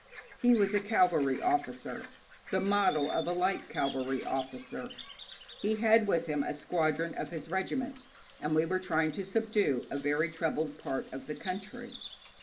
He was a cavalry officer, 'the model of a light cavalry officer'; he had with him a squadron of his regiment, and we were trying to subdue a very troubled part of the country.